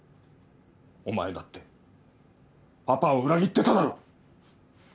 お前だってパパを裏切ってただろ！